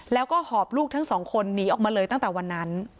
แล้วก็หอบลูกทั้งสองคนหนีออกมาเลยตั้งแต่วันนั้น